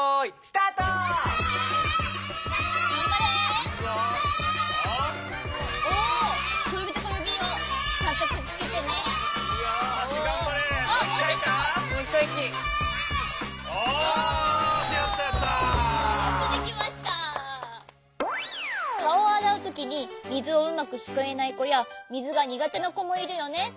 かおをあらうときにみずをうまくすくえないこやみずがにがてなこもいるよね。